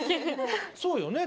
そうよね